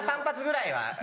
３発ぐらいは。